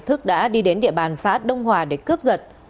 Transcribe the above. thức đã đi đến địa bàn xã đông hòa để cướp giật